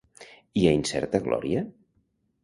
I a Incerta glòria?